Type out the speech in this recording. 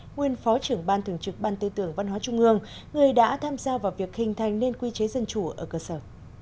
nguyên phó trưởng ban thường trực ban tư tưởng văn hóa trung ương người đã tham gia vào việc hình thành nên quy chế dân chủ ở cơ sở